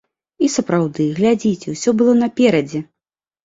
І сапраўды, глядзіце, усё было наперадзе!